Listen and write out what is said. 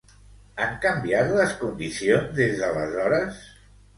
Han canviat les condicions des d'aleshores?